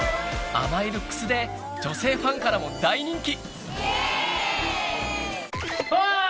甘いルックスで女性ファンからもイェイ！